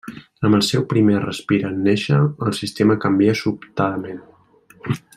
Amb el seu primer respir en néixer, el sistema canvia sobtadament.